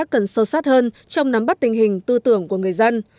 cần sâu sát hơn trong nắm bắt tình hình tư tưởng của người dân